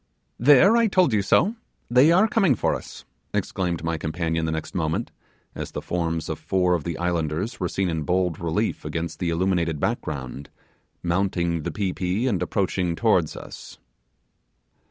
'There! I told you so! they are coming for us!' exclaimed my companion the next moment, as the forms of four of the islanders were seen in bold relief against the illuminated back ground mounting the pi pi and approaching towards us.